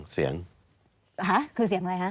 คือเสียงอะไรฮะ